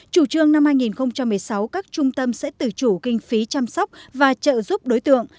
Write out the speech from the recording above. chủ trương năm hai nghìn một mươi sáu các trung tâm sẽ tự chủ kinh phí chăm sóc và trợ giúp đối tượng